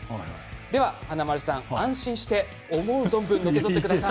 では、華丸さん安心して思う存分のけぞってください。